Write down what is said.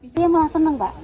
saya malah senang pak